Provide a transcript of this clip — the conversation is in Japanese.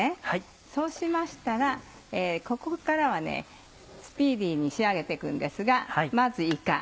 そうしましたらここからはスピーディーに仕上げて行くんですがまずいか。